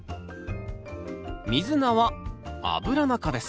ミズナはアブラナ科です